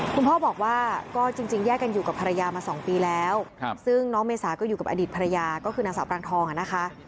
คุณพ่อบอกว่าก็จริงแยกกันอยู่กับภรรยามา๒ปีแล้วซึ่งน้องเมษาก็อยู่กับอดีตภรรยาก็คือนางสาวปรางทองอ่ะนะคะ